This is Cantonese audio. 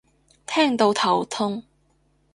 聽到頭痛